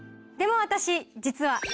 でも私実は。